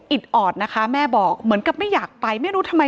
ออดนะคะแม่บอกเหมือนกับไม่อยากไปไม่รู้ทำไม